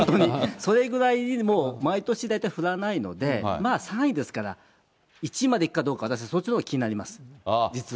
それぐらいもう、毎年大体降らないので、まあ３位ですから、１位まで行くかどうか、私はそっちのほうが気になります、実は。